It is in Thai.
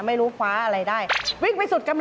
ตื่นขึ้นมาอีกทีตอน๑๐โมงเช้า